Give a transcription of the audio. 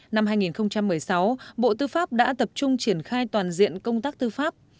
năm hai nghìn một mươi sáu bộ tư pháp đã tập trung triển khai toàn diện công tác tư pháp